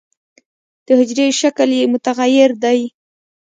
د حجرې شکل یې متغیر دی.